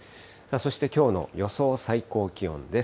そして、きょうの予想最高気温です。